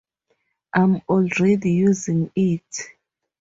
I’m already using it.